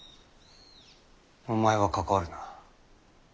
お前は関わるな。